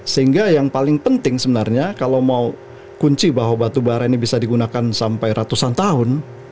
sehingga yang paling penting sebenarnya kalau mau kunci bahwa batubara ini bisa digunakan sampai ratusan tahun